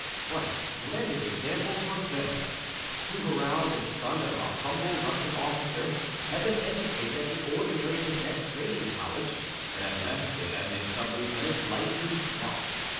What a splendid example for Foedor! Souvarow, the son of a humble Russian officer, had been educated at the ordinary cadets' training college, and had left it as a sub lieutenant like himself.